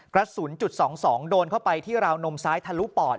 กระสุนจุด๒๒โดนเข้าไปที่ราวนมซ้ายทะลุปอด